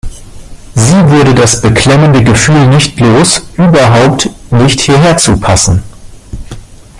Sie wurde das beklemmende Gefühl nicht los, überhaupt nicht hierher zu passen.